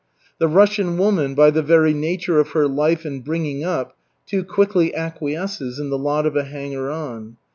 The Russian woman, by the very nature of her life and bringing up, too quickly acquiesces in the lot of a hanger on.